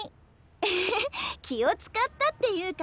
エヘヘ気を遣ったっていうか